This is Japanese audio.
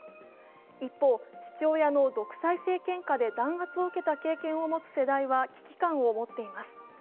一方、父親の独裁政権下で弾圧を受けた世代は危機感を持っています。